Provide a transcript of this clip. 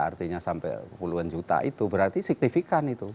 artinya sampai puluhan juta itu berarti signifikan itu